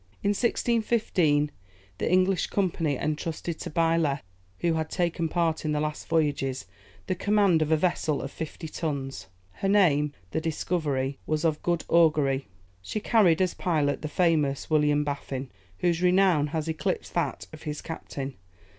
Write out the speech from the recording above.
In 1615, the English Company entrusted to Byleth, who had taken part in the last voyages, the command of a vessel of fifty tons. Her name, the Discovery, was of good augury. She carried, as pilot, the famous William Baffin, whose renown has eclipsed that of his captain.